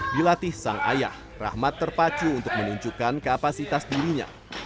dilatih sang ayah rahmat terpacu untuk menunjukkan kapasitas dirinya